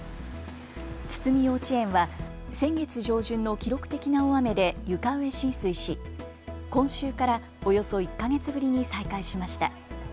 つつみ幼稚園は先月上旬の記録的な大雨で床上浸水し今週からおよそ１か月ぶりに再開しました。